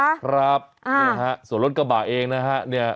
ครับส่วนรถกระบาดเองนะฮะ